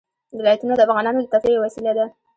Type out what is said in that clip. ولایتونه د افغانانو د تفریح یوه وسیله ده.